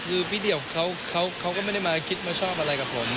คือพี่เดี่ยวเขาก็ไม่ได้มาคิดมาชอบอะไรกับผม